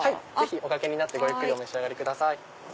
お掛けになってごゆっくりお召し上がりください。